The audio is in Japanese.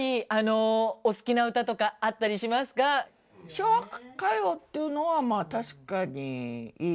昭和歌謡っていうのはまあ確かにいい。